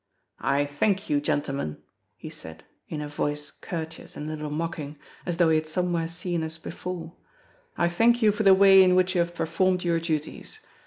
"I thank you, gentlemen," he said, in a voice courteous and a little mocking, as though he had somewhere seen us before: "I thank you for the way in which you have performed your duties.